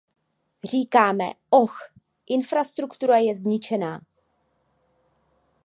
Říkáme, och, infrastruktura je zničená.